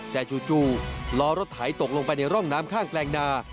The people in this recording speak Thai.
แต่จู่ล้อรถไถตกลงไปในร่องน้ำข้างแปลงนา